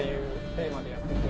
テーマでやってて。